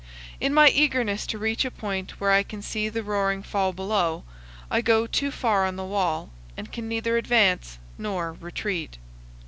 In my eagerness to reach a point where I can see the roaring fall below, I go too far on the wall, and can neither advance nor retreat.